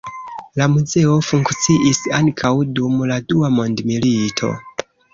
La muzeo funkciis ankaŭ dum la dua mondmilito.